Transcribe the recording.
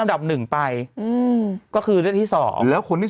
นางหนุ่มมองข้างหลังอีกแล้วเนี่ย